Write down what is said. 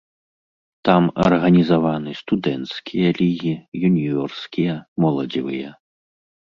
Там арганізаваны студэнцкія лігі, юніёрскія, моладзевыя.